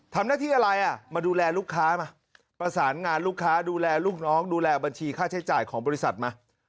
ทำอะไรอ่ะมาดูแลลูกค้ามาประสานงานลูกค้าดูแลลูกน้องดูแลบัญชีค่าใช้จ่ายของบริษัทมา